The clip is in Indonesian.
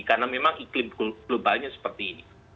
karena memang iklim globalnya seperti ini